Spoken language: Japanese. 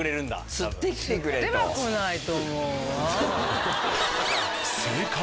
釣ってはこないと思うわ。